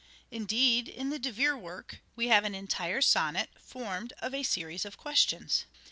Indeed, in the De Vere work, we have an entire sonnet formed of a series of questions.